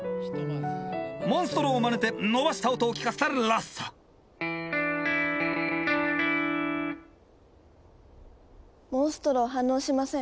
モンストロをまねて伸ばした音を聞かせたロッソモンストロ反応しません。